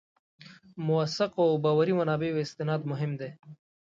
موثقو او باوري منابعو استناد مهم دی.